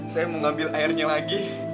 saya mau ngambil airnya lagi